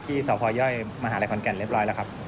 ที่สพยมหาลัยขอนแก่นเรียบร้อยแล้วครับ